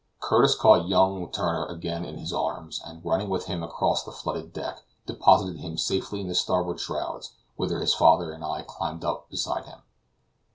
Curtis caught young Letourneur again in his arms, and, running with him across the flooded deck, deposited him safely in the starboard shrouds, whither his father and I climbed up beside him.